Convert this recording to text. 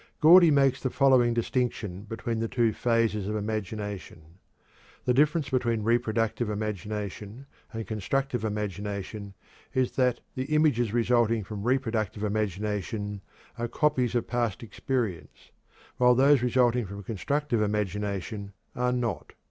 Gordy makes the following distinction between the two phases of imagination: "The difference between reproductive imagination and constructive imagination is that the images resulting from reproductive imagination are copies of past experience, while those resulting from constructive imagination are not.